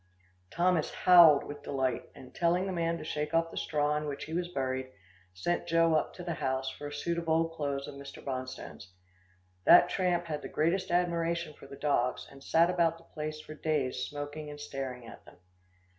Thomas howled with delight, and telling the man to shake off the straw in which he was buried, he sent Joe up to the house for a suit of old clothes of Mr. Bonstone's. That tramp had the greatest admiration for the dogs, and sat about the place for days smoking and staring at them.